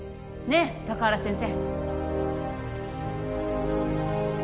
え高原先生